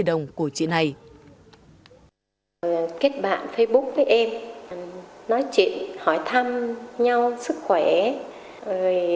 kết bạn facebook với em nói chuyện hỏi thăm nhau sức khỏe